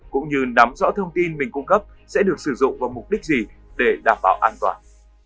cũng như nắm rõ thông tin mình cung cấp sẽ được sử dụng vào mục đích gì để đảm bảo an toàn